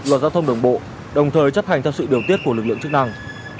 loạt giao thông đồng bộ đồng thời chấp hành theo sự điều tiết của lực lượng chức năng